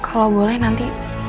kalau boleh nanti